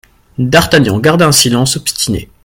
D'Artagnan garda un silence obstiné.